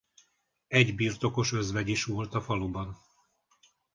Egy birtokos özvegy is volt a faluban.